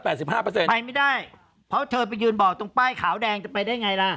ไปไม่ได้เพราะเธอไปยืนบอกตรงป้ายขาวแดงจะไปได้ไงล่ะ